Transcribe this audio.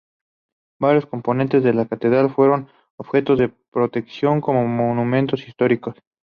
Varios componentes de la catedral fueron objeto de protección como monumentos históricos.